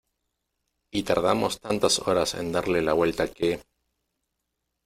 y tardamos tantas horas en darle la vuelta que...